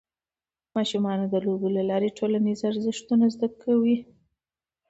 ماشومان د لوبو له لارې ټولنیز ارزښتونه زده کوي.